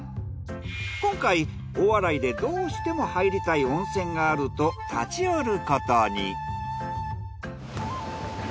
今回大洗でどうしても入りたい温泉があると立ち寄ることに。